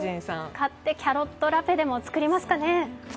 買ってキャロットラペでも作りますかね。